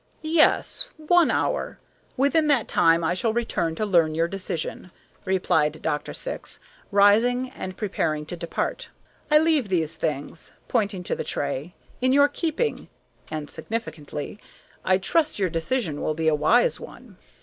"Yes, one hour. Within that time I shall return to learn your decision," replied Dr. Syx, rising and preparing to depart. "I leave these things," pointing to the tray, "in your keeping, and," significantly, "I trust your decision will be a wise one."